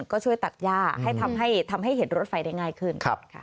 ก็ช่วยตัดย่าให้ทำให้เห็นรถไฟได้ง่ายขึ้น